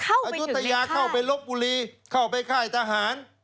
อายุทยาเข้าไปลบบุรีเข้าไปค่ายทหาร